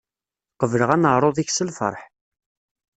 Qebleɣ aneɛṛuḍ-ik s lfeṛḥ.